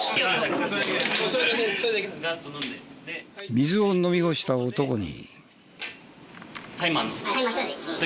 水を飲み干した男に。